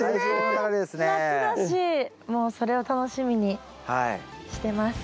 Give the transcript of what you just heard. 夏だしもうそれを楽しみにしてます。